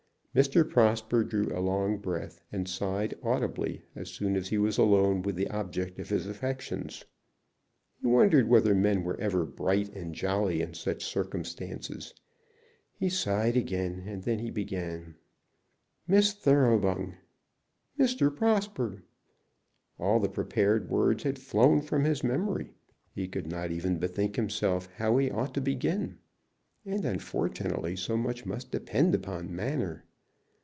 Mr. Prosper drew a long breath, and sighed audibly, as soon as he was alone with the object of his affections. He wondered whether men were ever bright and jolly in such circumstances. He sighed again, and then he began: "Miss Thoroughbung!" "Mr. Prosper!" All the prepared words had flown from his memory. He could not even bethink himself how he ought to begin. And, unfortunately, so much must depend upon manner!